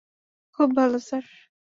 খুব ভাল, স্যার।